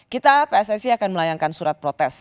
kita pssi akan melayangkan surat protes